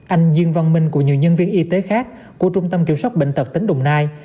anh diên văn minh cùng nhiều nhân viên y tế khác của trung tâm kiểm soát bệnh tật tỉnh đồng nai